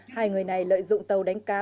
hai người này lợi dụng tàu đánh cá